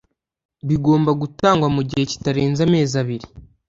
bigomba gutangwa mu gihe kitarenze amezi abiri